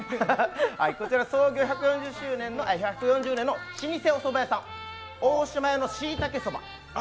１４０年の老舗おそば屋さん大島屋のしいたけそば。